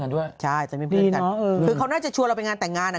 ด้วยใช่จะมีดีเนอะเออคือเขาน่าจะชวนเราไปงานแต่งงานอะ